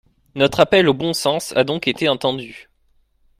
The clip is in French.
Notre appel au bon sens a donc été entendu.